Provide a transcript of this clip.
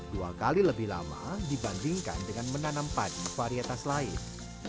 dua kali lebih lama dibandingkan dengan menanam padi varietas lain